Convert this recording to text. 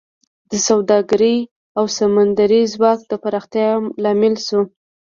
د سوداګرۍ او سمندري ځواک د پراختیا لامل شو